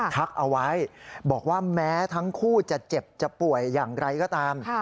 ทักเอาไว้บอกว่าแม้ทั้งคู่จะเจ็บจะป่วยอย่างไรก็ตาม